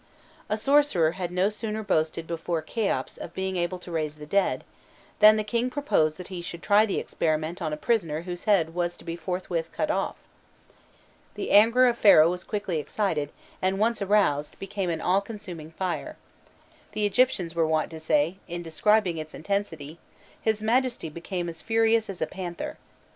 A sorcerer had no sooner boasted before Kheops of being able to raise the dead, than the king proposed that he should try the experiment on a prisoner whose head was to be forthwith cut off. The anger of Pharaoh was quickly excited, and once aroused, became an all consuming fire; the Egyptians were wont to say, in describing its intensity, "His Majesty became as furious as a panther."